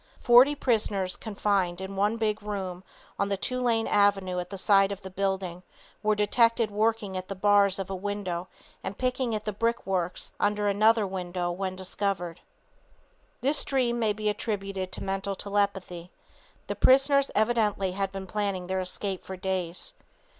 Forty prisoners confined in one big room, on the Tulane avenue side of the building, were detected working at the bars of a window and picking at brickworks under another window when discovered. This dream may be attributed to mental telepathy. The prisoners evidently have been planning their escape for days.